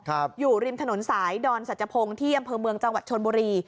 อยู่ริมถนนสายดอนสัจพงศ์ที่อำเภอเมืองจังหวัดชนบุรี